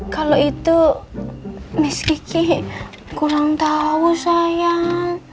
kalau itu miss gigi kurang tau sayang